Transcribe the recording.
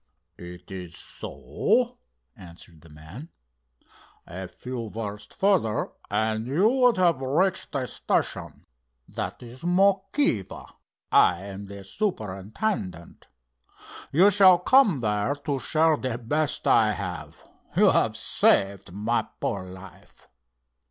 "It is so?" answered the man. "A few versts further, and you would have reached the station. That is Mokiva. I am the superintendent. You shall come there to share the best I have. You have saved my poor life."